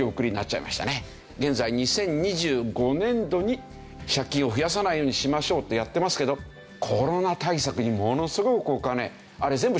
現在２０２５年度に借金を増やさないようにしましょうってやってますけどコロナ対策にものすごいお金あれ全部借金ですよね。